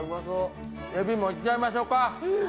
エビもいっちゃいましょうか。